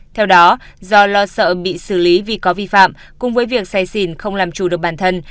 theo đó do lo sợ bị xử lý vì có vi phạm cùng với việc xài xìn không làm trù được bản thân